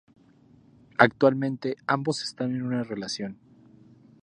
Actualmente ambos están en una relación.